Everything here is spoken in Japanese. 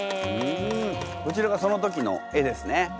こちらがその時の絵ですね。